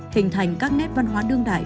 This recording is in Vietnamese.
hình thành các nét văn hóa đương đại